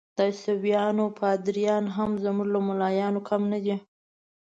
د عیسویانو پادریان هم زموږ له ملایانو کم نه دي.